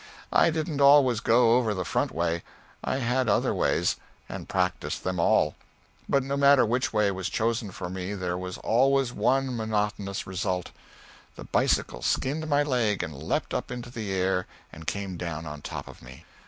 I didn't always go over the front way; I had other ways, and practised them all; but no matter which way was chosen for me there was always one monotonous result the bicycle skinned my leg and leaped up into the air and came down on top of me.